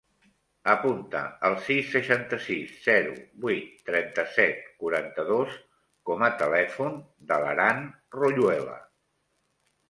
Apunta el sis, seixanta-sis, zero, vuit, trenta-set, quaranta-dos com a telèfon de l'Aran Royuela.